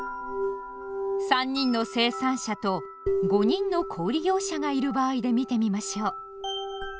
３人の生産者と５人の小売業者がいる場合で見てみましょう。